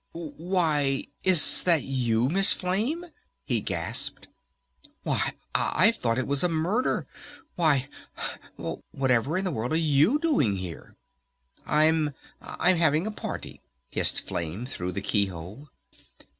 Why, is that you, Miss Flame?" he gasped. "Why, I thought it was a murder! Why Why, whatever in the world are you doing here?" "I I'm having a party," hissed Flame through the key hole.